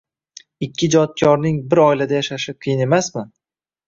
Ikki ijodkorning bir oilada yashashi qiyin emasmi